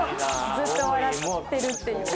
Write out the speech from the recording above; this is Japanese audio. ずっと笑ってるっていう。